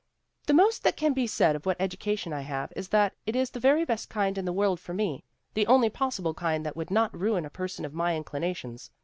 " The most that can be said of what education I have is that it is the very best kind in the world for me ; the only possible kind that would not ruin a per son of my inclinations.